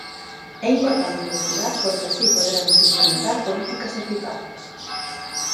É importante investigar porque así poderemos implementar políticas eficaces.